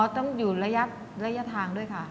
ต้องอยู่ระยะทางด้วยค่ะ